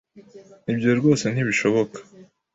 Ibyo rwose ntibishoboka.